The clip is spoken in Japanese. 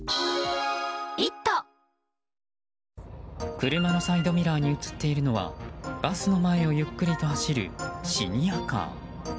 車のサイドミラーに映っているのはバスの前をゆっくり走るシニアカー。